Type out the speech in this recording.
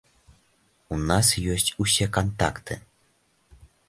У нас ёсць усе кантакты.